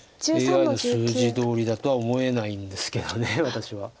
ＡＩの数字どおりだとは思えないんですけど私は。